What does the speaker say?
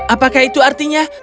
apakah itu artinya